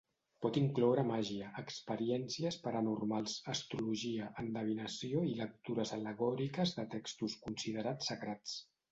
Pot incloure màgia, experiències paranormals, astrologia, endevinació i lectures al·legòriques de textos considerats sagrats.